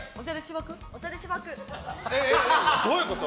どういうこと？